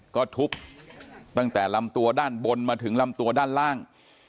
ก็ทุบตั้งแต่ลำตัวด้านบนมาถึงลำตัวด้านล่าง